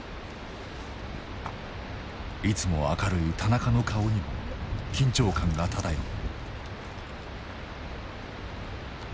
いつも明るい田中の顔にも緊張感が漂う。